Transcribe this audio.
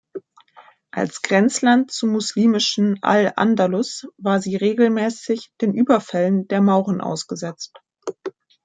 Als Grenzland zum muslimischen Al-Andalus war sie regelmäßig den Überfällen der Mauren ausgesetzt.